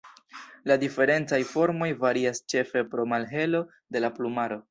La diferencaj formoj varias ĉefe pro la malhelo de la plumaro.